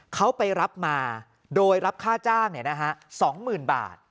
เขาไปรับมาโดยรับค่าจ้างเนี่ยนะฮะ๒๐๐๐๐บาท